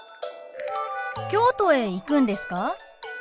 京都へ行くんですか？